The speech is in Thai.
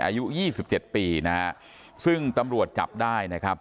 อายุยี่สิบเจ็ดปีนะฮะซึ่งตำรวจจับได้นะครับ